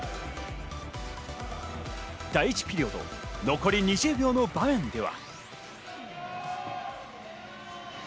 第１ピリオド、残り２０秒の場面では。